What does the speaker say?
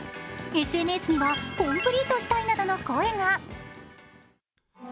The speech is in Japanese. ＳＮＳにはコンプリートしたいなどの声が。